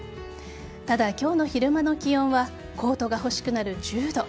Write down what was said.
ただ、今日の昼間の気温はコートが欲しくなる１０度。